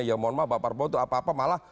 ya mohon maaf pak prabowo itu apa apa malah